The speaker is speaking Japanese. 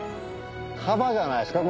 カバじゃないですか？